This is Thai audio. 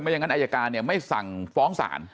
อย่างนั้นอายการเนี่ยไม่สั่งฟ้องศาล